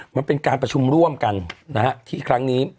มันเป็นการประชุมร่วมกันที่ครั้งนี้